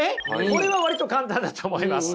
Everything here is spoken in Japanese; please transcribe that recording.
これは割と簡単だと思います。